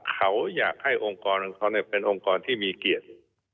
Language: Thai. เขาอยากให้องค์กรของเขาเป็นองค์กรที่มีเกียรติ